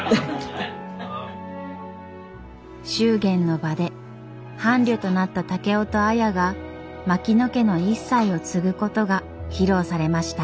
祝言の場で伴侶となった竹雄と綾が槙野家の一切を継ぐことが披露されました。